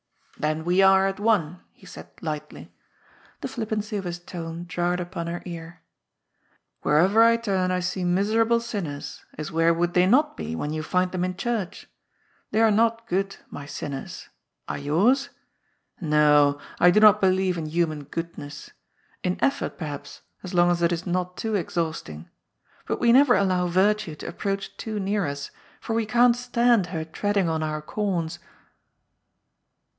" Then we are at one," he said lightly. The flippancy 352 GOD'S FOOL. of his tone jarred upon her ear. *^ Whereyer I torn I see miserable sinners, as where would they not be when you find them in church? They are not good, my sinners. Are yours? No, I do not believe in human goodness. In effort, perhaps, as long as it is not too exhausting. But we never allow Virtue to approach too near us, for we can^t ^ stand her treading on our corns."